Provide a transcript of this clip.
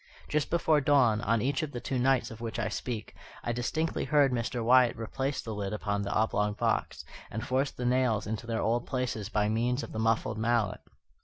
Just before dawn, on each of the two nights of which I speak, I distinctly heard Mr. Wyatt replace the lid upon the oblong box, and force the nails into their old places by means of the muffled mallet.